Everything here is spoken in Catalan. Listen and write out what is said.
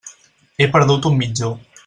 He perdut un mitjó.